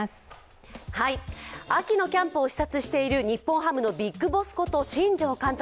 秋のキャンプを視察している日本ハムのビッグボスこと新庄監督。